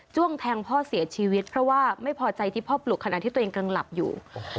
แทงพ่อเสียชีวิตเพราะว่าไม่พอใจที่พ่อปลุกขณะที่ตัวเองกำลังหลับอยู่